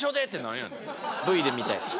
Ｖで見たい。